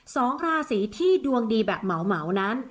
สองราศีที่ดวงดีแบบเหมานั้น